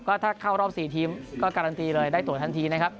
ก็ถ้าเข้ารอบ๔ทีมก็การันตีเลยได้ตัวทันทีนะครับ